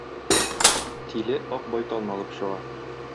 Тиле Ак байталны алып чыга.